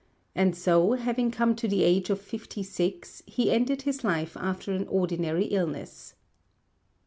And so, having come to the age of fifty six, he ended his life after an ordinary illness.